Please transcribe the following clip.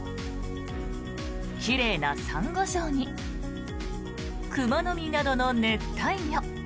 奇麗なサンゴ礁にクマノミなどの熱帯魚。